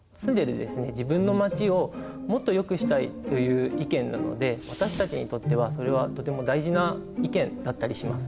自分のまちをもっと良くしたいという意見なので私たちにとってはそれはとても大事な意見だったりします。